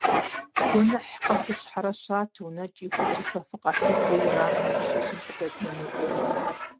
Гуэныхькъэ хущхьэрэ щатэу, нэкӀи гукӀи фэ фыкъалъыхъуэу уэрам нэщӀыжьхэм къыдэднэну къомыр.